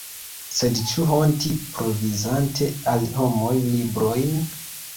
Sed ĉu honti, provizante al homoj librojn?